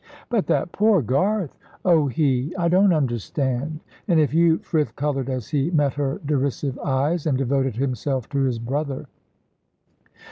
"But that poor Garth " "Oh, he I don't understand and if you " Frith coloured as he met her derisive eyes, and devoted himself to his brother.